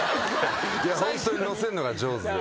ホントにのせるのが上手で。